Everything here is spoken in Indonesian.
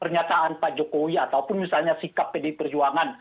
nah kalau kita bicara amandemen rey